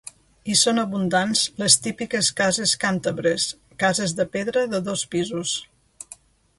Hi són abundants les típiques cases càntabres, cases de pedra de dos pisos.